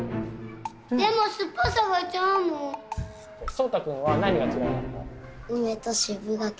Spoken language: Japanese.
そうたくんは何が嫌いなの？